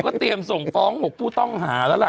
ก็เตรียมส่งฟ้อง๖ผู้ต้องหาแล้วล่ะ